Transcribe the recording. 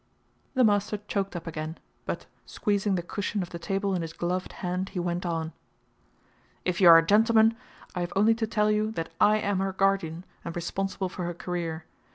The master choked up again, but, squeezing the cushion of the table in his gloved hand, he went on: "If you are a gentleman, I have only to tell you that I am her guardian, and responsible for her career.